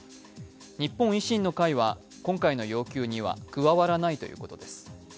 日本維新の会は今回の要求には加わらないということです。